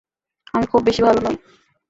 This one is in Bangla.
আমি খুব বেশি ভালো নেই।